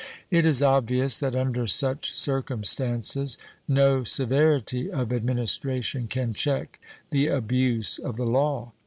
It is obvious that under such circumstances no severity of administration can check the abuse of the law.